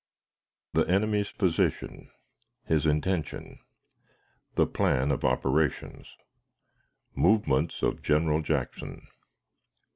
The Enemy's Position. His Intention. The Plan of Operations. Movements of General Jackson.